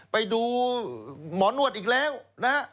ไปดูหมอนวดอีกแล้วนะฮะ